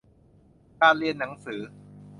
การเรียนหนังสือ